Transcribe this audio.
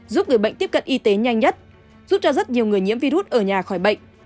giúp người bệnh tiếp cận y tế nhanh nhất giúp cho rất nhiều người nhiễm virus ở nhà khỏi bệnh